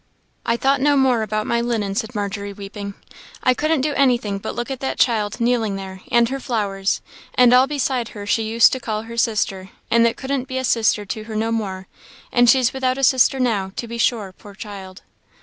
I thought no more about my linen," said Margery, weeping "I couldn't do anything but look at that child kneeling there, and her flowers and all beside her she used to call her sister, and that couldn't be a sister to her no more; and she's without a sister now, to be sure, poor child!"